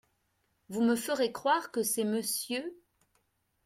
Vous me ferez croire que c’est Monsieur…